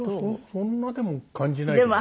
そんなでも感じないけどね。